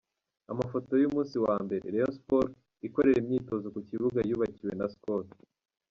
Amafoto y’umunsi wa mbere, Rayon Sports, ikorera imyitozo ku kibuga yubakiwe na Skol.